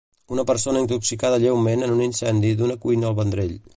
Una persona intoxicada lleument en un incendi d'una cuina al Vendrell.